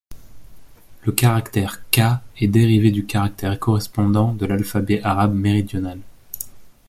Le caractère ቀ est dérivé du caractère correspondant de l'alphabet arabe méridional.